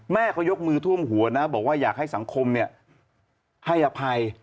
แม่เขายกมือท่วมหัวนะบอกว่าอยากให้สังคมให้อภัย